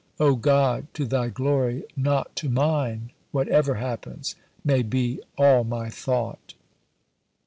O God to Thy glory not to mine whatever happens, may be all my thought!"